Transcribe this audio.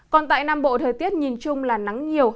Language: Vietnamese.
còn tại nam bộ thời tiết nhìn chung là nắng nhiều